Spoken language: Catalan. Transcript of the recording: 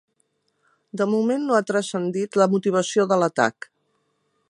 De moment no ha transcendit la motivació de l’atac.